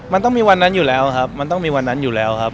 มันต้องมีวันนั้นอยู่แล้วครับมันต้องมีวันนั้นอยู่แล้วครับ